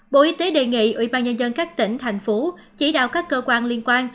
bộ y tế đề nghị ủy ban nhân dân các tỉnh thành phố chỉ đạo các cơ quan liên quan